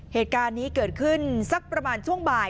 เหตุการณ์นี้เกิดขึ้นสักประมาณช่วงบ่าย